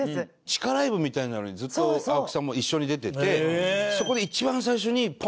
地下ライブみたいなのにずっと青木さんも一緒に出ててそこで。